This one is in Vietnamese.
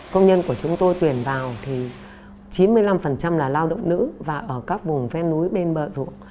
công nhân của chúng tôi tuyển vào thì chín mươi năm là lao động nữ và ở các vùng ven núi bên bờ ruộng